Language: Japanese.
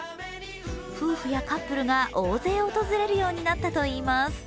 夫婦やカップルが大勢訪れるようになったといいます。